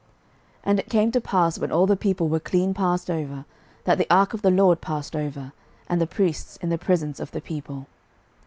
06:004:011 And it came to pass, when all the people were clean passed over, that the ark of the LORD passed over, and the priests, in the presence of the people.